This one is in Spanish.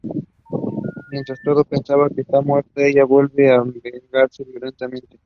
Mientras todos piensan que está muerta, ella vuelve para vengarse violentamente.